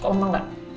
kok memang gak